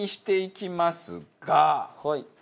はい。